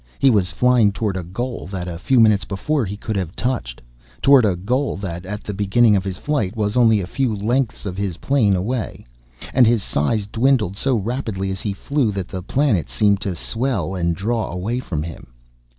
He was flying toward a goal that, a few minutes before, he could have touched. Toward a goal that, at the beginning of his flight, was only a few lengths of his plane away. And his size dwindled so rapidly as he flew that the planet seemed to swell and draw away from him.